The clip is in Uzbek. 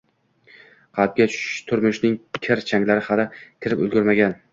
Qalbga turmushning kir-changlari hali kirib ulgurmagan